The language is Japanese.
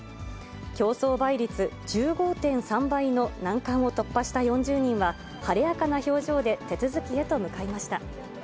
競争倍率１５．３倍の難関を突破した４０人は、晴れやかな表情で手続きへと向かいました。